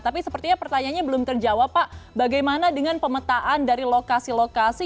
tapi sepertinya pertanyaannya belum terjawab pak bagaimana dengan pemetaan dari lokasi lokasi